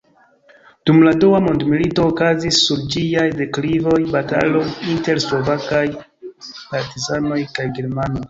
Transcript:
Dum la Dua mondmilito okazis sur ĝiaj deklivoj bataloj inter slovakaj partizanoj kaj germanoj.